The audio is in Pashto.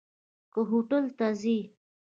که هوټل ته ځي.